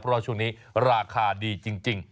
เพราะว่าช่วงนี้ราคาดีจริง